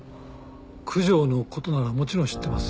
九条のことならもちろん知ってます。